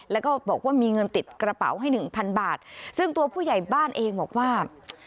แล้วก็บอกว่ามีเงินติดกระเป๋าให้หนึ่งพันบาทซึ่งตัวผู้ใหญ่บ้านเองบอกว่า